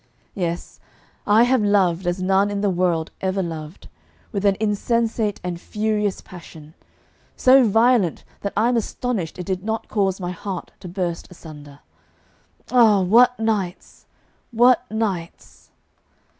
Yes, I have loved as none in the world ever loved with an insensate and furious passion so violent that I am astonished it did not cause my heart to burst asunder. Ah, what nights what nights!